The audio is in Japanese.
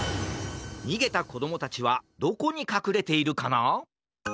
にげたこどもたちはどこにかくれているかな！？